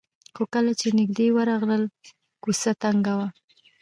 خو کله چې نژدې ورغلل کوڅه تنګه وه.